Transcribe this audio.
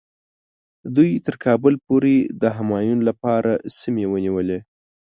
دوی تر کابله پورې د همایون لپاره سیمې ونیولې.